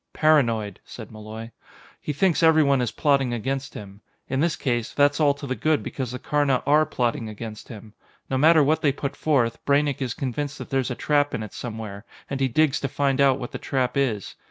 "Paranoid," said Malloy. "He thinks everyone is plotting against him. In this case, that's all to the good because the Karna are plotting against him. No matter what they put forth, Braynek is convinced that there's a trap in it somewhere, and he digs to find out what the trap is.